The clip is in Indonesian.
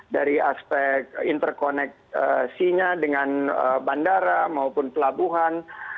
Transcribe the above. dari aspek interkoneksinya dengan bandara maupunkelabuhan dari aspek interkoneksinya dengan bandara maupunkelabuhan